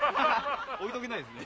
置いとけないですね。